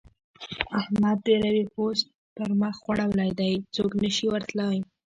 احمد د روې پوست پر مخ غوړولی دی؛ څوک نه شي ور تلای.